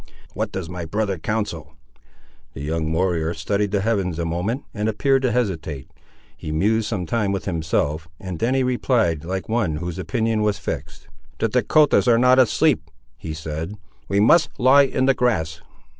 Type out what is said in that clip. "What does my brother counsel?" The young warrior studied the heavens a moment, and appeared to hesitate. He mused some time with himself, and then he replied, like one whose opinion was fixed— "The Dahcotahs are not asleep," he said; "we must lie in the grass."